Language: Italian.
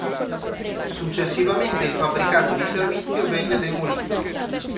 Successivamente il fabbricato di servizio venne demolito.